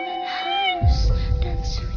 tuhan harus dan suci